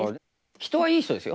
人はいい人ですよ。